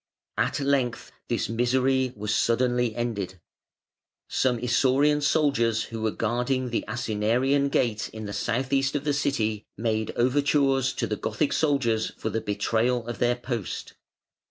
At length this misery was suddenly ended. Some Isaurian soldiers who were guarding the Asinarian Gate in the south east of the City made overtures to the Gothic soldiers for the betrayal of their post.